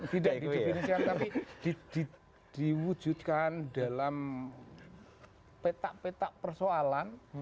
tidak didefinisikan tapi diwujudkan dalam peta petak persoalan